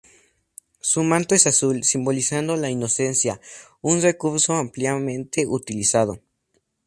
Su manto es azul, simbolizando la inocencia, un recurso ampliamente utilizado.